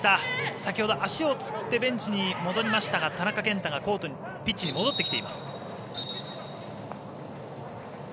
先ほど、足をつってベンチに戻りましたが田中健太がピッチに戻ってきています。